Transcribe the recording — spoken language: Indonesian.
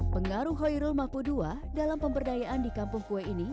pengaruh hoirul mahpudua dalam pemberdayaan di kampung kue ini